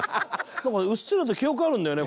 「なんかうっすらと記憶あるんだよね